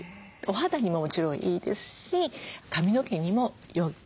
お肌にももちろんいいですし髪の毛にもよい。